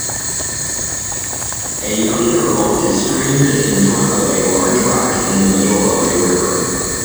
A young girl is stranded in front of a large rock in the middle of a river.